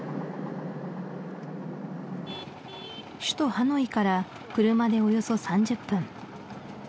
首都ハノイから車でおよそ３０分